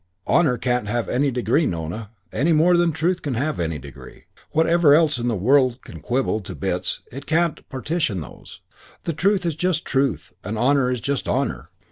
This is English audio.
Honour can't have any degree, Nona, any more than truth can have any degree: whatever else the world can quibble to bits it can't partition those: truth is just truth and honour is just honour.